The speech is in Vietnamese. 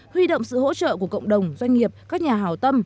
huy động sự hỗ trợ của cộng đồng doanh nghiệp các nhà hào tâm